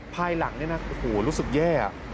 ภายหลังนี่นะโอ้โหรู้สึกแย่